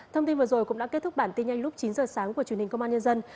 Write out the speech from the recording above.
thông tin vừa rồi cũng đã kết thúc bản tin nhanh lúc chín giờ sáng của truyền hình công an nhân dân